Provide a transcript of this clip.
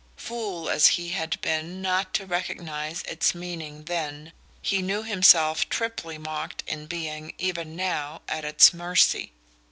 Fool as he had been not to recognize its meaning then, he knew himself triply mocked in being, even now, at its mercy.